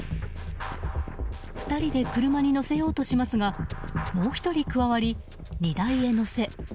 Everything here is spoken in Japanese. ２人で車に載せようとしますがもう１人加わり、荷台へ載せ